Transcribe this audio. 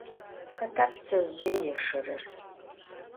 Xeta ptsezjıê yêşşerer?